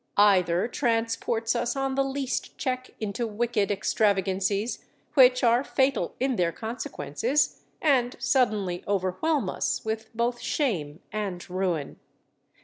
Either transports us on the least check into wicked extravagancies, which are fatal in their consequences, and suddenly overwhelm us with both shame and ruin.